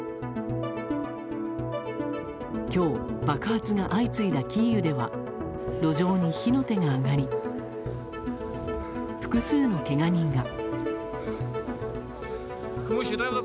今日、爆発が相次いだキーウでは路上に火の手が上がり複数のけが人が。